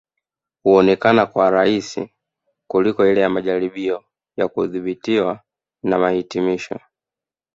Huonekana kuwa rahisi kuliko ile ya majaribio ya kudhibitiwa na mahitimisho